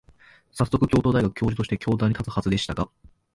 さっそく、京都大学教授として教壇に立つはずでしたが、